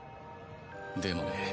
でもね